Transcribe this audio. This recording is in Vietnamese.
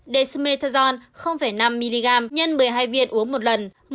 desmetazon năm mg x một mươi hai viên uống một lần